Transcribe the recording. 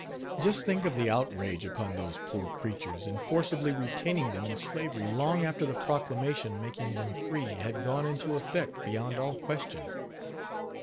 Just think of the outrage upon those poor creatures in forcibly retaining them in slavery long after the proclamation making them free had gone into effect beyond all question!